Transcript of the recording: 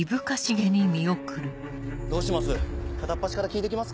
どうします？